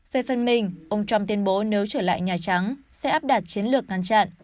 về phần mình ông trump tuyên bố nếu trở lại nhà trắng sẽ áp đặt chiến lược ngăn chặn